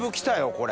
これ。